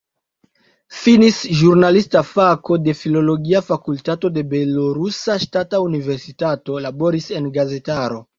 Finis ĵurnalista fako de filologia fakultato de Belorusa Ŝtata Universitato, laboris en gazetaro.